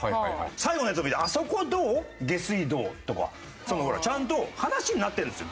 最後のやつ見ると「あそこどう下水道」とか。ちゃんと話になってるんですよ